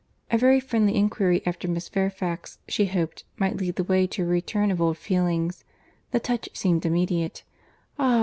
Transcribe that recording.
A very friendly inquiry after Miss Fairfax, she hoped, might lead the way to a return of old feelings. The touch seemed immediate. "Ah!